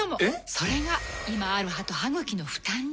それが今ある歯と歯ぐきの負担に。